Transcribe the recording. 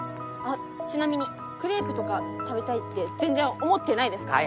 あっちなみにクレープとか食べたいって全然思ってないですから